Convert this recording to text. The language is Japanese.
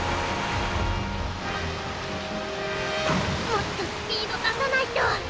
もっとスピード出さないと！